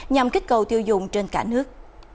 nhằm kích cầu tiêu dùng trên cả nước